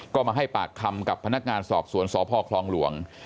ก็มาให้ปากคำกับพนักงานสอบสวนสพคลองหลวง